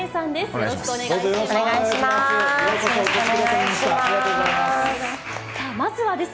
よろしくお願いします。